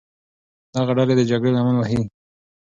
دغه ډلې د جګړې لمن وهي.